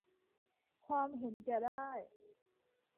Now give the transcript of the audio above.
ความเห็นแก่ได้